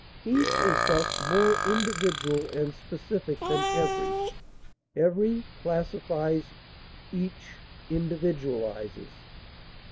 Each is thus more individual and specific than every; every classifies, each individualizes.